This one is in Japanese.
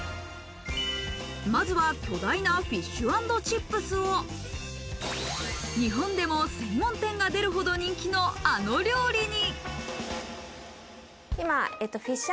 まずは巨大なフィッシュ＆チップスを日本でも専門店が出るほど人気のあの料理に。